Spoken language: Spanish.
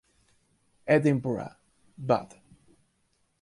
Edinburgh; Bot.